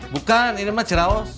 bukan ini mah cerahos